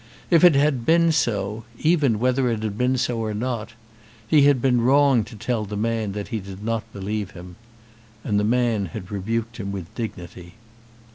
If it had been so, even whether it had been so or not, he had been wrong to tell the man that he did not believe him. And the man had rebuked him with dignity.